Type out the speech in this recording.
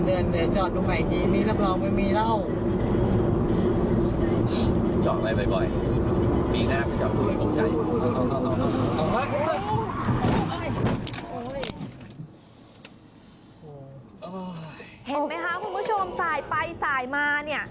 เห็นไหมคะคุณผู้ชมสายไปสายมาเนี่ย